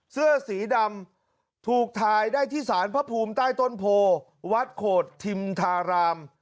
เสื้อสีดำถูกถ่ายได้ที่สารพระภูมิใต้ต้นโพวัดโขดทิมธาราม